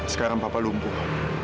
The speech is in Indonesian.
sekarang papa lumpuh